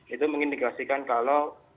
itu mengindigasikan kalau